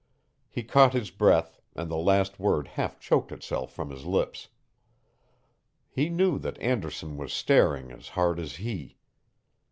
He caught his breath, and the last word half choked itself from his lips. He knew that Anderson was staring as hard as he.